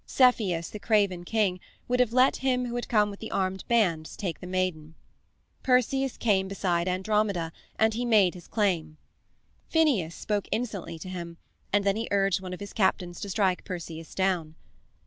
Cepheus, the craven king, would have let him who had come with the armed bands take the maiden. Perseus came beside Andromeda and he made his claim. Phineus spoke insolently to him, and then he urged one of his captains to strike Perseus down.